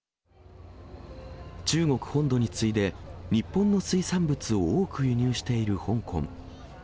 中国本土に次いで、日本の水産物を多く輸入している香港。